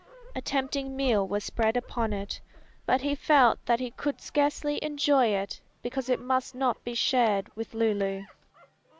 A tempting meal was spread upon it, but he felt that he could scarcely enjoy it because it must not be shared with Lulu.